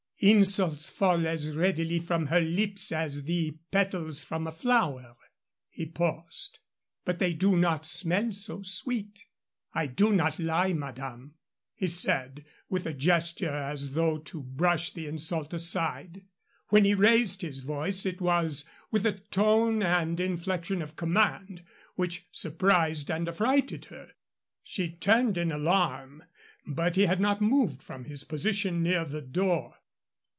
"Insults fall as readily from her lips as the petals from a flower." He paused. "But they do not smell so sweet. I do not lie, madame," he said, with a gesture as though to brush the insult aside. When he raised his voice it was with a tone and inflection of command which surprised and affrighted her. She turned in alarm, but he had not moved from his position near the door.